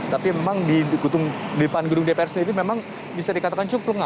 tapi memang di depan gedung dpr sendiri memang bisa dikatakan cukup